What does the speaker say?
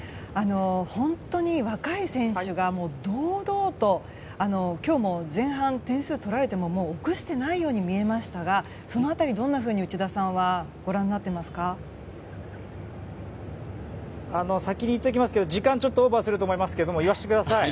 本当に若い選手が堂々と今日も前半点数を取られても臆してないように見えましたがその辺りどんなふうに内田さんはご覧になってますか？先に言っときますけど時間、ちょっとオーバーすると思いますけど言わせてください。